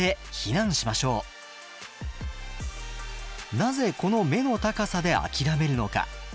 なぜこの目の高さで諦めるのか。